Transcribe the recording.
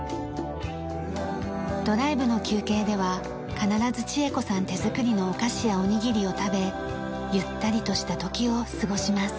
ドライブの休憩では必ず千恵子さん手作りのお菓子やおにぎりを食べゆったりとした時を過ごします。